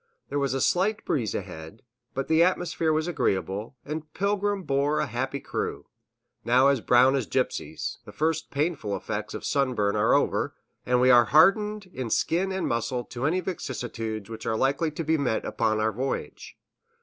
There was a slight breeze ahead, but the atmosphere was agreeable, and Pilgrim bore a happy crew, now as brown as gypsies; the first painful effects of sunburn are over, and we are hardened in skin and muscle to any vicissitudes which are likely to be met upon our voyage.